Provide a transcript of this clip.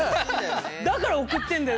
だから送ってんだよ。